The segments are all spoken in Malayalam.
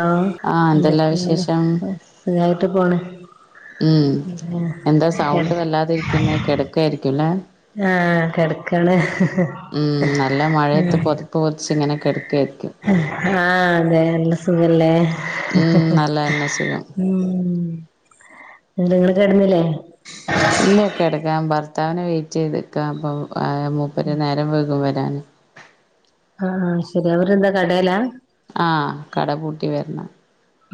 ആഹ് എന്തെല്ലാ എന്തൊക്കെണ്ട് വിശേഷം സുഖായിട്ട് പോണ് ഉം എന്താ സൗണ്ട് വല്ലാതിരിക്കുന്നെ കിടക്കായിരിക്കുല്ലേ ആഹ് കെടക്കാണ് ഉം നല്ല ഉ മഴയത്ത് പൊതപ്പ് പൊതച്ച് ഇങ്ങനെ കിടക്കായിരിക്കും ആഹ് അതെ അല്ലേ സുഖല്ലേ ഉം നല്ലതന്നെ സുഖം ഉം നിങ്ങള് കെട്ന്നില്ലേ ഇല്ല കെടക്കാൻ ഭർത്താവിനെ വെയിറ്റ് ത്ക്ക അപ്പൊ മൂപ്പര് നേരം വൈകും വരാന് ആഹ് ശരി അവരെന്താ കടേലാ ആഹ് കട പൂട്ടി വരണം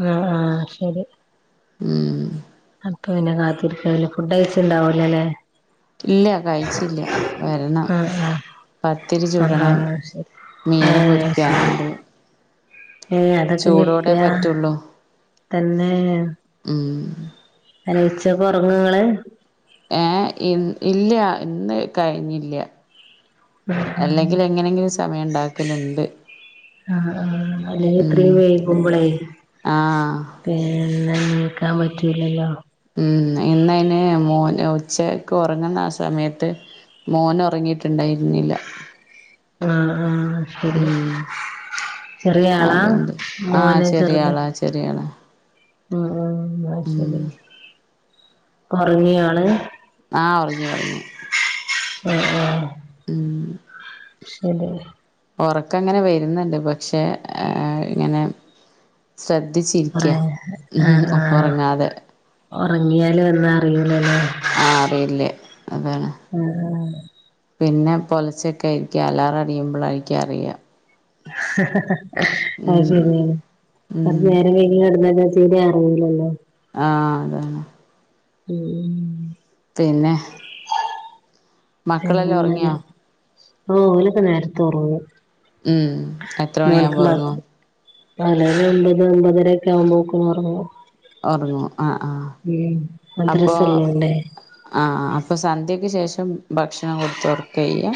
ആ ആഹ് ശരി ഉം അപ്പപിന്നെ കാത്തിരിക്കാവുലെ ഫുഡ് കഴിച്ച്ണ്ടാവൂലലേ ഇല്ല്യ കഴിച്ചില്ല്യ വരണം ആഹ് ആഹ് പത്തിരി ചുടണം [inaudible] ശരി മീന്പൊരിക്കാനുണ്ട് ഏഹ് അതൊക്കെ നിർത്ത്യാ പറ്റുള്ളൂ തന്നെ ഉം അല്ല ഉച്ചക്കു ഒറങ്ങൊ ങ്ങള്? ഏഹ് ഇ ഇല്ല ഇന്ന് കഴിഞ്ഞില്ല അല്ലെങ്കിലെങ്ങനെങ്കിലും സമയണ്ടാക്കല്ണ്ട് ആഹ് ആഹ് അല്ലെങ്കി ഇത്ര വൈകുകുമ്പളെ ആഹ് [unintelligible] നീക്കാം പറ്റൂലല്ലോ. ഉം ഇന്നൈന് മോന് ഉച്ചക്ക് ഒറങ്ങ്ന്ന ആ സമയത്ത് മോനൊറങ്ങീട്ട്ണ്ടായിര്ന്നില്ല. ആഹ് ആഹ് ത് ഉം ചെറിയ ആളാ അതുകൊണ്ട് ആഹ് മോന് ചെറിയ ചെറുത് ആളാ ചെറിയ ആളാ ഉം ഉം അയ്ശരി ഒറങ്ങിയോ ആള് ആഹ് ഒറങ്ങി ഒറങ്ങി [inaudible] ഉം ശരി ഒറക്കങ്ങന വര്ന്ന്ണ്ട് പക്ഷെ അ എ ഇങ്ങനെ ഒറ ശ്രദ്ധിച്ചിരിക്ക ഉം ഒറങ്ങാതെ ഒറങ്ങിയാലൊന്നു അറിയൂലല്ലൊ ആഹ് അറിയില്ലേ അതാണ് ആഹ് പിന്നെ പൊലച്ചൊക്കൊയിരിക്കും അലാറ അടിയുമ്പോഴായിരി ക്കുംഅറിയാം ഹ ഹ ഹ ഹ അയ് ഉം ശരിയാണ് കൊറച്ച ഉം നേരം [unintelligible] തീരെ അറിയില്ലല്ലോ ആഹ് അതാണ് ഉം ഉം പിന്നെ ഹ് ഉറങ്ങിയോ [inaudible] ഓ ഓലൊക്ക നേരത്ത ഉറങ്ങു ഉം എത്ര [inaudible] മോൻക്ക് മണിയാകുമ്പോൾ മാത്രി ഉറങ്ങും പലരുംഒമ്പത് ഒമ്പതരൊക്കെ ആ കുമ്പോക്ക് ഒറങ്ങ്‌ ഒർങ്ങു ആ ആ ഉം മദ്രസ ളോണ്ടേ ആഹ് അപ്പോൾ സന്ധ്യയ്ക്ക് ശേഷം ഭക്ഷണം കൊടുത്ത് ഓർക്ക ചെയ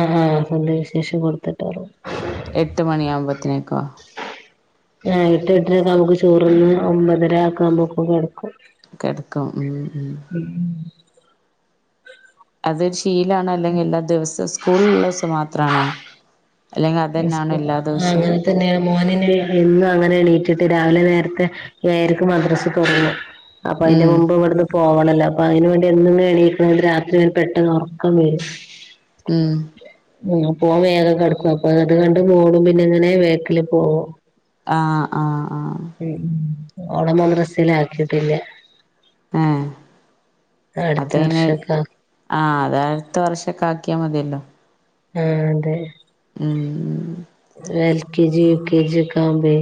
ആഹ് ആഹ് സന്ധ്യക്ശേഷം കൊടുത്തിട്ട് ഒറങ്ങും എട്ട് മണിയാവുമ്പോത്തക്കോ? ആ എട്ട് എട്ടരക്കാമ്പക്ക് ചോറ്ന്ന് ഒമ്പതര ആക്കാമ്പൊക്കെ കെടക്കു. കെടക്കും ഊം ഉ [inaudible] അത് ശീലാണോ അല്ലെങ്കിൽ എല്ലാ ദിവസവും സ്കൂളള്ള ദിവസം മാത്രമാണോ? അല്ലെങ്ക് അതെന്നാണോ എല്ലാ ദെവസോം? തന്നെയാ മോനിനെ എന്നും അങ്ങനെണീറ്റിട്ട് രാവിലെ നേരത്തെ ഏഴരക്ക് മദ്രസ് തൊടങ്ങും അപ്പൊ അതിന്റെ ഉം മുമ്പ് ഇവിടുന്ന് പോവണല്ലൊ അപ്പൊ അതിന് വേണ്ടി എന്നു എന്നു എണീക്കുമ്പക്ക്‌ രാത്രി [unintelligible] പെട്ടെന്നൊറക്കം വരും ഉം ഉം അപ്പോ ഓന് വേഗം കെടക്ക [unintelligible] കണ്ട് മോളും പിന്നങ്ങനേ ബേക്കില് പോവും ആഹ് ആഹ് ആഹ് ഉം ഉം ഓളെ മദ്റസയിലാക്കിയിട്ടില്ല ഏഹ് അടുത്ത അപ്പെയ്ന് വർഷൊക്കെ ആ ആഹ് അത അട്ത്ത വർഷക്കാക്ക്യ മത്യല്ലോ. ആഹ് അതെ. ഉം. L K G U K G ഒക്കാവുമ്പെ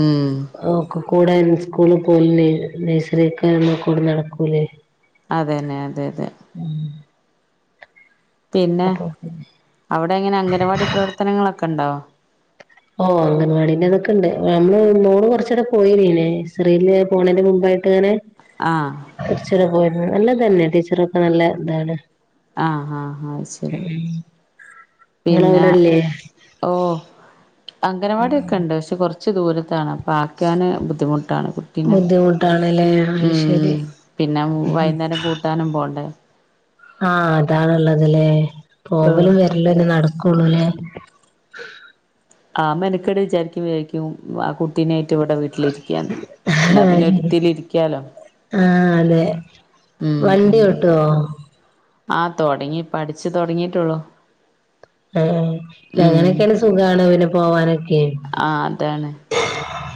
ഉം ഓക്കും. കൂടെ ൻ സ്കൂള്ന്ന് പോയില്ലെ നൈസറിക ന്ന് കൂടെ നടക്കൂലേ. അതെന്നെ അതെ അതെ. ഉം. പിന്നെ അവിടെങ്ങനെ അംഗനവാടി പ്രവർത്തനങ്ങളൊക്കെ ണ്ടോ. ഓഹ് അംഗൻവാടിൻ്റതൊക്കെണ്ട് നമ്മള് മോള് കൊർച്ചടെ പോയിനി നെ സെറീൽ പോണേൻ്റെ മുമ്പായി- എങ്ങനെ. ആഹ്. ടീച്ചറേ പോയിരുന്നു നല്ലത തന്നെ ടീച്ചറൊക്കെ നല്ല ഇതാണ് ആഹ് ആഹ് ആഹ് അ ശരി പിന്ന. നിങ്ങളവിടെല്ലേ ഓഹ് അംഗനവാട്യൊക്കണ്ട് ശെ കൊർച്ച് ദൂരത്താണ്. പാക്കാന് ബുദ്ധിമുട്ടാണ് കുട്ടീനെ ബുദ്ധിമുട്ടാണല്ലേ അത് ശരി ഉം പിന്നെ വൈകുന്നേരം കൂട്ടാനും പോണ്ടേ. ആഹ് അതാണ്ള്ളത് ലേ പോവലും പോണ്ടേ വര്ലൊന്നെ നടക്കുള്ളൂ ലേ. ആ മെനക്കട് വിചാരിക്കും വിചാരിക്കും ആ കുട്ടീനേയിട്ട് വടെ വി ആഹ് ഒരുത്തിലിരിക്കാലോ അതെ. വണ്ട്യോട്ടോ. ആഹ് തൊട്ങ്ങി പഠിച്ചു തൊട്ങ്ങിട്ടൊള്ളു. ആഹ് ആഹ് അങ്ങനെക്കെണെ സുഖാണ് ഓന് പോവാനൊക്കെ. ആഹ് അതാണ്.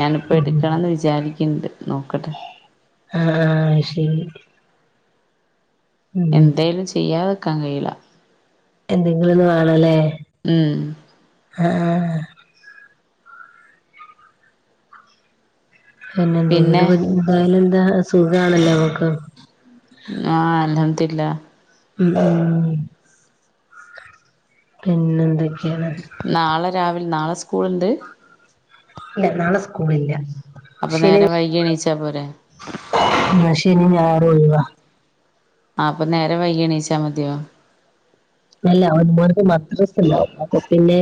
ഞാനിപ്പ ഉം എടുക്കണംന്ന് വിചാരിക്ണ്ട് നോക്കട്ടെ. ആഹ് ആഹ് അ ശരി. ഉം എന്തേലു ചെയ്യാതക്കാ കയില്ല. എന്തെങ്കിലൊന്ന് വാണലേ. ആഹ് ആഹ് ആഹ്. പിന്നെ പിന്നെന്തെങ്കിലും എന്തായാലും ന്താ സുഖാണല്ലോ അവൾക്. ആഹ് അൽഹംദില്ല. ഉം ഉം. പിന്നെ എന്തൊക്കെയാണ് ന്നാളെ രാവിലെ ന്നാളെ സ്കൂള്ണ്ട്. ല്ല നാളെ സ്കൂളില്ല. അപ്പ നേരം വൈകി എണീച്ചാ പോരെ. ന്ന ശനി ഞായർ ഒഴിവാ. ആഹ് അപ്പ ന്നേരം വൈകി എണീച്ചാ മത്യോ. ല്ല ല്ലോ ഒൻമോൻക്ക് മദ്രസ്ണ്ടാവും അപ്പൊ പിന്നെ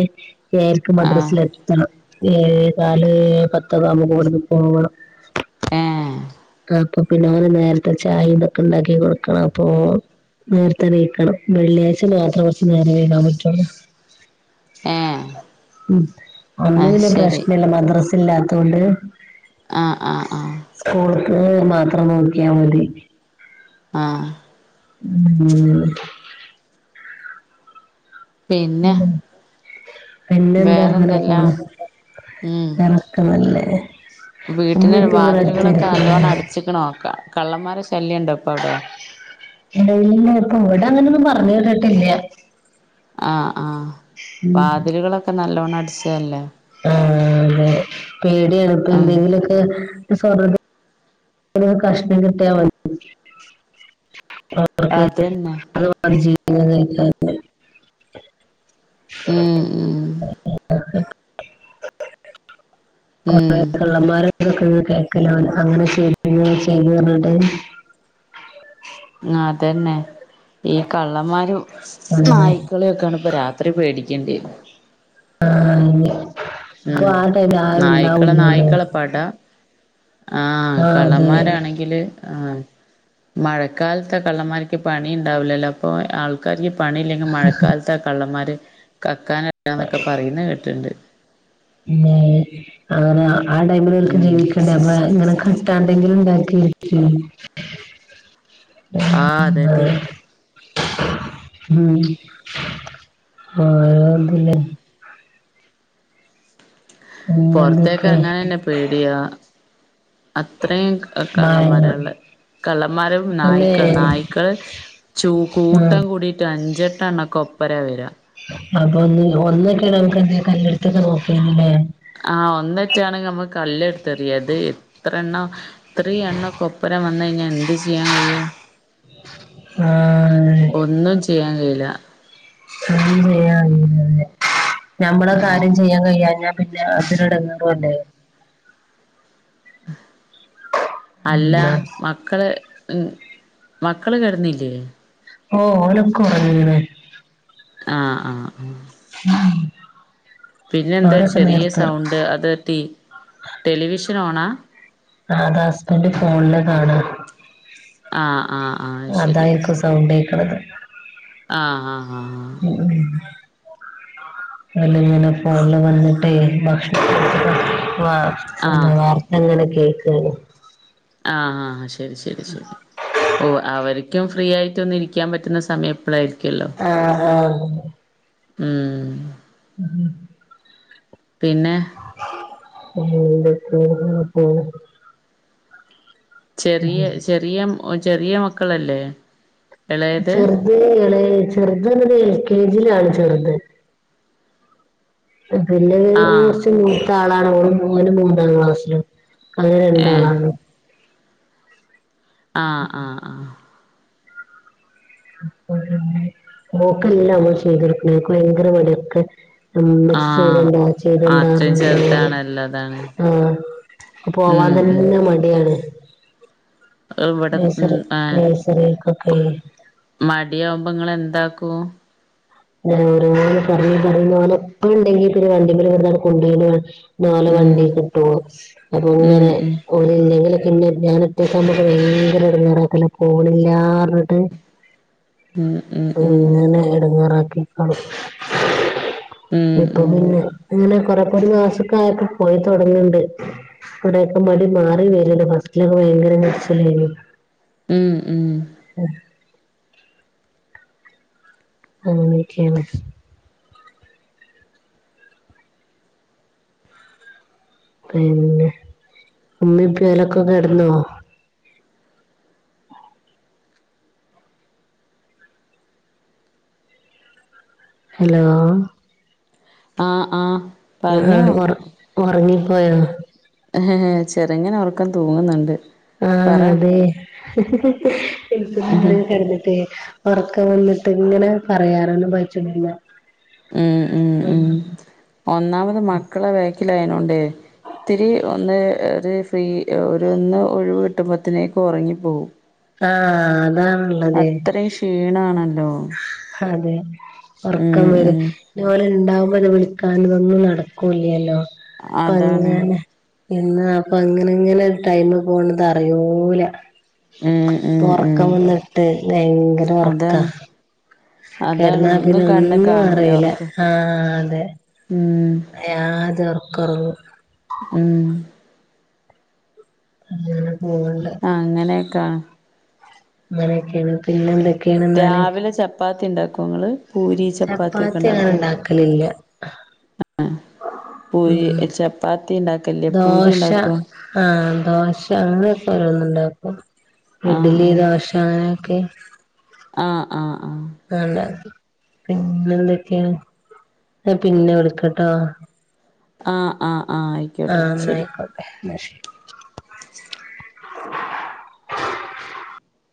ഏയര്ക്ക് ആ മദ്രസ് ലെത്തണം. ഏ കാല് പത്തൊക്കാവുമ്പൊ കൊട്ന്ന് പോവണം. ഏ കാപ്പ പിന്നോന് നേരത്തെ ചായിം തൊക്കെണ്ടാക്കി കൊടുക്കണം അപ്പോ. നേർത്തെണീക്കണം വെള്ള്യായ്ച മാത്രം കൊർച്ച് നേര വൈകാ പറ്റുള്ളൂ. ഏ ഉം അന്ന് ആഹ് പിന്നെ ശരി പ്രശ്നല്ല മദ്രസ് ല്ലാത്തോണ്ട്. ആഹ് ആഹ് ആഹ്. സ്കൂൾക്ക് മാത്രം നോക്ക്യാ മതി. ആഹ്. ഉം. പിന്നെ. പിന്നെന്താ അങ്ങനെ വേറെന്തെല്ലാം പോണ് വേറൊക്ക നല്ലേ. ഉമ്മേം വീട്ടിന് ഉപ്പേം ഇങ്ങളെ വാതിലുകളൊക്കെ നല്ലോണം അടുത്തായിരിക്കുംല്ലേ അടച്ച്ക്ക്ണോ ക കള്ളന്മാരെ ശല്യണ്ടോപ്പൗടെ ഇല്ലെ ഇപ്പൊ ഇവ്ടെ അങ്ങനൊന്നും പറഞ്ഞ് കേട്ട്ട്ടില്ല. ആഹ് ആഹ് ഉം വാതിലുകളൊക്കെ നല്ലോണ്ണം അടച്ചതല്ലേ. ആഹ് അതെ പേടിയാണ് ഇപ്പ ഉം എന്തെങ്കിലോക്കെ പ്പോസ്വർണത് ന്റെയ് കഷ്ണം കിട്ടിയമതി അവക്ക്. അതന്നെ അത് രു പാട് ജീവ [unintelligible] ആഹ് ആഹ് കൊറെ ഉം കള്ളന്മാരൊക്കെ കേക്കലണ് അങ്ങനെ ചെയ്ല് ഇങ്ങനെ ചെയ് പർഞ്ഞിട്ട്. ആഹ് അതന്നെ ഈ കള്ളമാരും അങ്ങനെ നായി ക്കളെക്കാണ് ഇപ്പൊ രാത്രി പേടിക്കേണ്ടന്നെ. ആഹ് അയ്നെ അപ്പൊ ആഹ് ടൈമിൽ ആരു ഉണ്ടാവൂല്ലല്ലോ. വട ആഹ് അതെ കളളമരാണെങ്കി തില് ആഹ് മഴക്കാലത്ത് കള്ളമര്ക്ക് പണിണ്ടാവില്ലല്ലോ അപ് ഇപ്പൊ ആൾക്കാര്ക്ക് പണി ഇല്ലെങ്കി മഴക്കാലത്താ കള്ളന്മാര്. കക്കന് വരന്നോക്കെ പറയുന്നെ കേട്ടിണ്ട് ന്നെ അങ്ങ്നെ ആ ടൈമില് ഒൽക്ക് ഉം ജീവിക്കണ്ടേ ഞമ്മളെ ഇങ്ങനെ കട്ടാണ്ടെങ്കിലും ഉണ്ടാക്കി ആഹ് ആഹ് അതെ അതെ ആഹ് ഓരോതില്. പിന്നെന്തൊക്കെ പൊറത്തേക്കറങ്ങാനന്നെ പേടിയാ. അത്രയും മായങ്ങൾ കള്ളമാരള്ളെ കളളമാരും തന്നെ നായ്ക്കള് നായ്ക്കള്. ചൂ ആ കൂട്ടം കൂടിട്ട് അഞ്ചെട്ടണ്ണൊക്കെ ഒപ്പര വരാ അപ്പൊ ഒന്ന് ഒന്നൊക്കെണ് ഞമക്ക് എന്തേലു കല്ല്ട്ത്തൊക്കെ നോക്കെനും ല്ലേ ആഹ് ഒന്നറ്റാണെങ്ക് നമ്മക് കല്ല്ട്ത്. തെറിയഇതേയ് ഇത്ര എണ്ണം ഇത്രിംഎ ണ്ണോക്കെ കൊപ്പര വന്ന്. വന്നഴിഞ്ഞ എന്ത് ചെയ്യാൻ കയ്യും. ആഹ് ഒന്നും ചെയ്യാൻ കഴിയില്ല. ഒന്നും ചെയ്യാൻ കയില ഞമ്മളെ ആഹ് കാര്യം ചെയ്യാൻ കഴിയാഞ്ഞാ. വല്ലാത്തൊരു എടങ്ങേറു അല്ലേ. അല്ല പിന്നെ മക്കള് ഉം മക്കള് കെടന്നില്ലേ. ഓ ഓലോക്കെ ഒറങ്ങിണ്. ആഹ് ആഹ് ആഹ് ഉം പിന്നെ എന്താ ചെറിയ സൗണ്ട് അത്ടി ടെലിവിഷൻ ഓണാ. ആഹ് അത് അസ്ബൻഡ് ഫോണില കാണ ആഹ് ആഹ് ആഹ്. ശരി അതായിര്ക്കും സൗണ്ടെക്ക്ണത്. ആഹ് ആഹ് ആഹ് ആഹ് ആഹ് അല്ലെങ്കിലു ഫോണില് കണ്ടിട്ടേ ഭക്ഷ പിന്നെ ആഹ് വാർത്ത ഇങ്ങനെ കേക്കണ്. ആഹ് ആഹ് ശെരി ശെരി ശെരി ഓ അവര്ക്കും ഫ്രീ ആയിട്ട് ഒന്ന് ഇരിക്കാൻ പറ്റുന്ന സമയം ഇപ്പളായിരിക്കുല്ലോ. ആഹ് ആഹ് ഉം ഉം പിന്നെ ഉം [unintelligible] ചെറിയ ഉം. ചെറിയ ഒ ചെറിയ മക്കളല്ലേ. എളയത് ചെർത് എളെ ചെർത് ന്നട്ട് എൽ കെ ജിയിലാണ് ചെർത്. പിന്നെ ത് ആഹ് കുർച്ച് മൂത്ത ആളാണ് ഓ മൂന്ന് മൂന്നാം ക്ലാസ്സിലും. അയ് ഏഹ് രണ്ടാളാണ് ആഹ് ആഹ് ആഹ്. ഓക്കെല്ല മ്മൾ ചെയ്തൊടുക്ക്ണെ ഓക്ക് വയങ്കര മടിയൊക്കെ ഇംമ്മച്ചി ആഹ് ചെയ്തൊണ്ട അത്രയും ചെയ്തൊണ്ടാർഞ്ഞ്ങ്ങനെ ചെറുതാണല്ലോ അതാണ് ആഹ് പോവാൻ ഉം ഉം തന്നെ മടിയാണ്. ഇവിടെ മ് നഴ്സറി ഏഹ് പോ നഴ്സറിക്കൊക്കെ മടിയാവുമ്പോ ഇങ്ങളെന്താക്കു? ഓരോന്ന് പറഞ് പറഞ്ഞ് ഒലപ്പണ്ടെങ്കി പിന്നെ വണ്ടിമല്വ്ടെന്ന് കൊണ്ടോയ്നോനെ. ഓലെ ഉം വണ്ടീക്കിട്ടോളും ഉം ഇതെങ്ങനെ ഉം ഓലില്ലെങ്കില് പിന്നെ ഞാൻ ഒറ്റക്കാബോ ഭയങ്കര എടങ്ങേറാക്കല പോവ്ണില്ലാറിഞ്ഞിട്ട്. ഉം ഉം ഉം ഈങ്ങനെ എടങ്ങാറാക്കിക്കാണ്ട് ഇപ്പൊ ഉം പിന്നെ ഇങ്ങനെ കൊറെ കൊരു മാസക്കായപ്പോ പോയിത്തൊടങ്ങ്ണ്ട്. കൊറേയൊക്കെ മടി മാറി വരണ്ട് ഫസ്റ്റിലൊക്കെ ഭയങ്കര മടിച്ചിലായിരുന്നു. ഉം ഉം ഉഹ് അങ്ങനൊക്കേണ്. പിന്നെ ഉമ്മിപ്പി ഓലൊക്കെ കെടന്നോ? ഹലോ? ആഹ് ആഹ് ആ പറഞ്ഞോ അ് ഒറ് ഒറങ്ങിപ്പോയോ? ചെറ്ങ്ങനൊർക്കം തൂങ്ങുന്നുണ്ട്. ആഹ് പറ അതെ ഏസി [unintelligible] ഉം കടന്നിട്ടെ. ഒറക്കം വന്നിട്ട് ങ്ങനെ പറയാറൊന്നും പറ്റ്ണില്ല. ഉം ഉം ഉം ഒന്നാമത് മക്കളെ വേക്കിലായതോണ്ടേ ത്തിരി ഒന്ന് ഒരു ഫ്രീ ഒരു ഒന്ന് ഒഴിവ് കിട്ടുമ്പൊത്തിനേക്ക് ഒറങ്ങിപോവും. ആ അതാണ്ല്ലെ. അത്രേം ക്ഷീണാണല്ലോ. അതെ ഒറക്കം ഉം വര ഉം ഞ്ഞ് ഓല്ണ്ടാവുമ്പോ ലെ വിളിക്കാനുതൊന്നും നടക്കൂല്ലല്ലോ അപ്പ അതാണ് അങ്ങനെ പിന്നാ ആപ്പ അങ്ങനങ്ങനെ ടൈമ് പോണത് അറിയൂല. ഉം ഉം ഉം ഒറക്കം വന്നിട്ട് വെയങ്കര ഒറക്കാ. അതാണ് അതാണ് ഒന്നു കണ്ണ് ഒന്നും കാണൂല അറിയില്ല ഒർക്ക് ഉം യാദ്യഒർകൊർങ്ങും. ഉം അങ്ങെനെ പോവ്ണ്ട്. അങ്ങനെയൊക്കാണ്. അങ്ങനെയൊക്കെയാണ് പിന്നെന്തെ? രാവിലെ ചപ്പാത്തി ഉണ്ടാക്കോ ഇങ്ങള് പൂരി ചപ്പാത്തി ഒക്കെ ഉണ്ടാക്കോ? ലല്ല ആഹ് പൂരി ചപ്പാത്തി ഉണ്ടാക്കൽല്ല പൂരി ദോശ ഉണ്ടാക്കോ? ആഹ് ദോശ അങ്ങനൊക്കെ ഓരോന്നുണ്ടാക്കും ആഹ് ഇഡ്ഡലി ആഹ് ദോശ് ഞാനോക്കെ ആഹ് ആഹ് ആഹ് അള്ളെ പിന്നൊന്തേക്കേണ് ഞ പിന്നെ വിളിക്കട്ടോ? ആഹ് ആഹ് ആഹ് ആയി ആഹ് ഇന്നായിക്കോട്ടെ ഇന്ന ശരി.